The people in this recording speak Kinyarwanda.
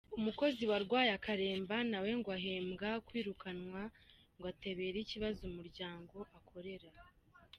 Umukozi warwaye akaremba na we ngo ahembwa kwirukanwa ngo atabera ikibazo umuryango akorera.